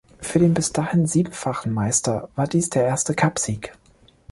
Für den bis dahin siebenfachen Meister war dies der erste Cupsieg.